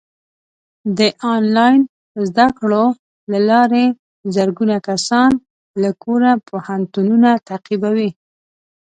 د آنلاین زده کړو له لارې زرګونه کسان له کوره پوهنتونونه تعقیبوي.